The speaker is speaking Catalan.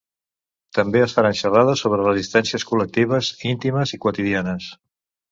També es faran xerrades sobre resistències col·lectives, íntimes i quotidianes.